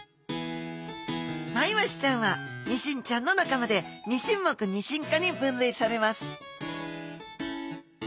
マイワシちゃんはニシンちゃんの仲間でニシン目ニシン科に分類されます